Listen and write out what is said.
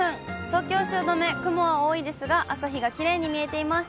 東京・汐留、雲は多いですが、朝日がきれいに見えています。